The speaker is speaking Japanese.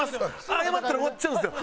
謝ったら終わっちゃうんですよ。